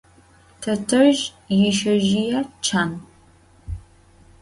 Tetezj yişsezjıê çan.